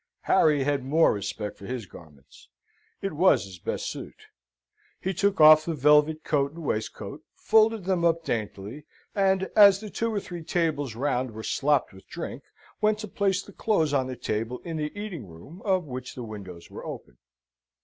Harry had more respect for his garments. It was his best suit. He took off the velvet coat and waistcoat, folded them up daintily, and, as the two or three tables round were slopped with drink, went to place the clothes on a table in the eating room, of which the windows were open.